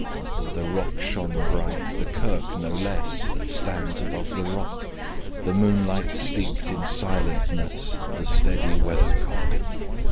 The rock shone bright, the kirk no less, That stands above the rock: The moonlight steeped in silentness The steady weathercock.